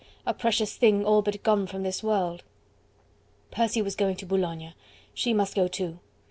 a precious thing all but gone from this world. Percy was going to Boulogne... she must go too.